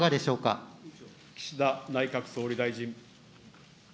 岸田内閣総理大臣。